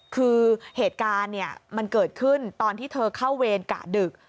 คือเหตุการณ์มันเกิดขึ้นตอนที่เธอเข้าเวรกะดึก